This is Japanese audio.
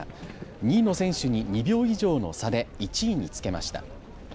２位の選手に２秒以上の差で１位につけました。